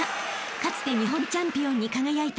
［かつて日本チャンピオンに輝いたつわもの］